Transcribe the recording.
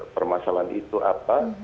permasalahan itu apa